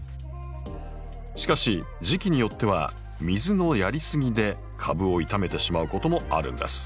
しかし時期によっては水のやりすぎで株を傷めてしまうこともあるんです。